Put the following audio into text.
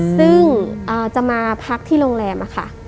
ซึ่งจะมาพักที่โรงแรมค่ะ